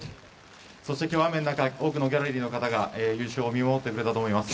そして今日雨の中多くのギャラリーの方が優勝を見守ってくれたと思います。